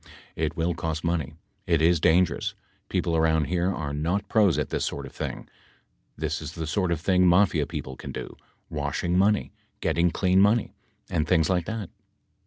It will cost money. It is dangerous. People around here are not pros at this sort of thing. This is the sort of thing Mafia peo ple can do : washing money, getting clean money, and things like that.